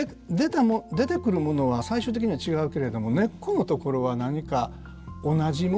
出てくるものは最終的には違うけれども根っこのところは何か同じものがある。